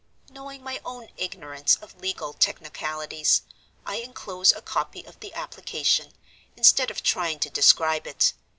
"Knowing my own ignorance of legal technicalities, I inclose a copy of the application, instead of trying to describe it.